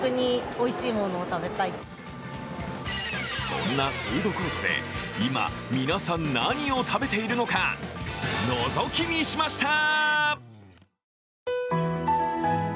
そんなフードコートで今皆さん、何を食べているのかのぞき見しました。